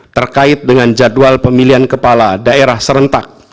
terkait dengan jadwal pemilihan kepala daerah serentak